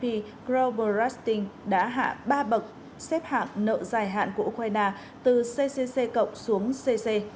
thì global resting đã hạ ba bậc xếp hạng nợ dài hạn của ukraine từ ccc cộng xuống cc